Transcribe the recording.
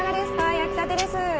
焼きたてです。